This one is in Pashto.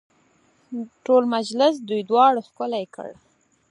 ټول مجلس دوی دواړو ښکلی کړ.